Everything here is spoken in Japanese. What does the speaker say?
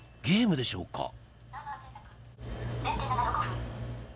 ゲームでしょうか？